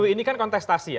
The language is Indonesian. ini kan kontestasi ya